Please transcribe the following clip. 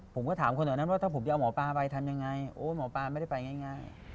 ผมก็ถามคนแถวนั้นว่าถ้าผมจะเอาหมอปลาไปทำยังไงโอ้หมอปลาไม่ได้ไปง่าย